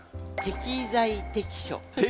適材適所。